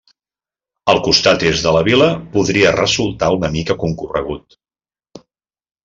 El costat est de la Vila podria resultar una mica concorregut.